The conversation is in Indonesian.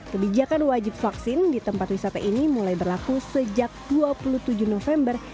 kebijakan wajib vaksin di tempat wisata ini mulai berlaku sejak dua puluh tujuh november